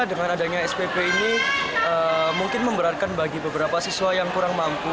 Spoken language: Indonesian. dengan adanya spp ini mungkin memberatkan bagi beberapa siswa yang kurang mampu